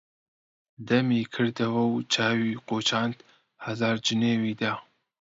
دەمی کردوە و چاوی قوچاند، هەزار جنێوی دا: